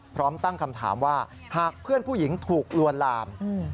พร้อมตั้งคำถามว่าหากเพื่อนผู้หญิงถูกลวนลาม